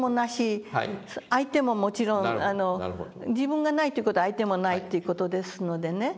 相手ももちろん自分がないという事は相手もないという事ですのでね。